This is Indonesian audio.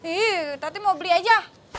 iya tadi mau beli aja